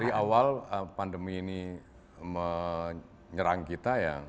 dari awal pandemi ini menyerang kita